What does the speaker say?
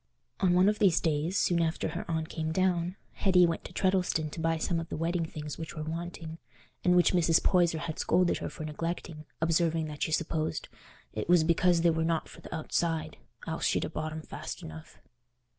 On one of these days, soon after her aunt came down, Hetty went to Treddleston to buy some of the wedding things which were wanting, and which Mrs. Poyser had scolded her for neglecting, observing that she supposed "it was because they were not for th' outside, else she'd ha' bought 'em fast enough."